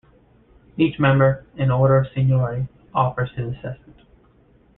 Each member, in order of seniority, offers his assessment.